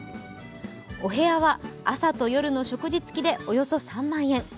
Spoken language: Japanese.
お部屋は朝と夜の食事付きでおよそ３万円。